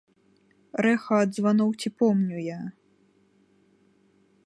Рэха ад званоў ці помню я?